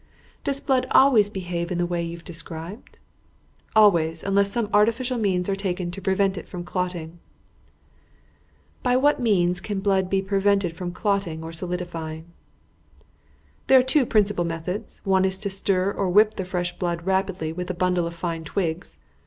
"Does blood always behave in the way you have described?" "Always, unless some artificial means are taken to prevent it from clotting." "By what means can blood be prevented from clotting or solidifying?" "There are two principal methods. One is to stir or whip the fresh blood rapidly with a bundle of fine twigs.